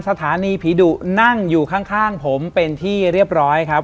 สถานีผีดุนั่งอยู่ข้างผมเป็นที่เรียบร้อยครับ